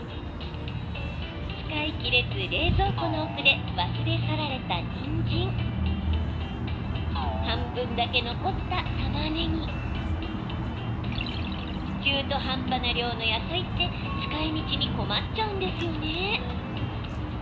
使い切れず冷蔵庫の奥で忘れ去られた、にんじん半分だけ残った、たまねぎ中途半端な量の野菜って使いみちに困っちゃうんですよね。